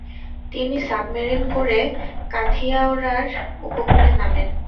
তিনি সাবমেরিন করে কাথিয়াওয়াড় উপকূলে নামেন।